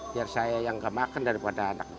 biar saya yang enggak makan daripada anak anak